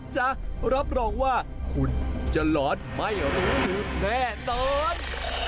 จะหลอดไม่หรือแน่นอน